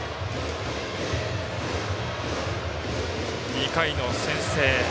２回の先制。